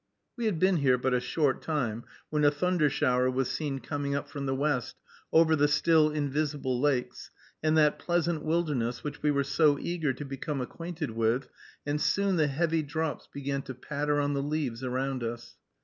We had been here but a short time, when a thunder shower was seen coming up from the west, over the still invisible lakes, and that pleasant wilderness which we were so eager to become acquainted with; and soon the heavy drops began to patter on the leaves around us.